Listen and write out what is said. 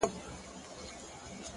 د عمل دوام شخصیت ته شکل ورکوي!